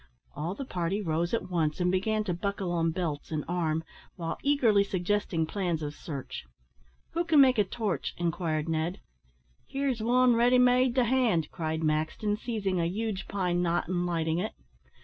All the party rose at once, and began to buckle on belts and arm, while eagerly suggesting plans of search. "Who can make a torch?" inquired Ned. "Here's one ready made to hand," cried Maxton, seizing a huge pine knot and lighting it.